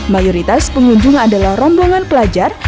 mayoritas pengunjung adalah rombongan pelajar